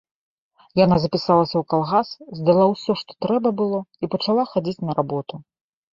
Яна запісалася ў калгас, здала ўсё, што трэба было, і пачала хадзіць на работу.